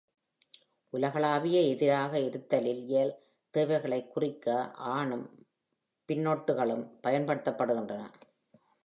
"உலகளாவிய" எதிராக "இருத்தலியல்" தேவைகளை குறிக்க ஆனும் பின்னொட்டுகளும் பயன்படுத்தப்படுகின்றன.